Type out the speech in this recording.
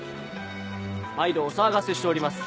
毎度お騒がせしております